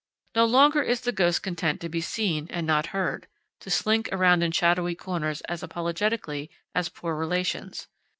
No longer is the ghost content to be seen and not heard, to slink around in shadowy corners as apologetically as poor relations.